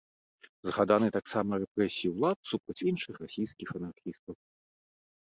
Згаданы таксама рэпрэсіі ўлад супраць іншых расійскіх анархістаў.